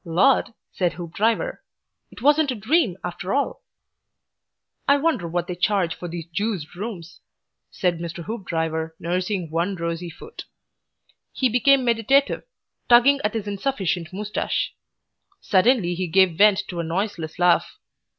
"Lord!" said Mr. Hoopdriver. "It wasn't a dream, after all." "I wonder what they charge for these Juiced rooms!" said Mr. Hoopdriver, nursing one rosy foot. He became meditative, tugging at his insufficient moustache. Suddenly he gave vent to a noiseless laugh.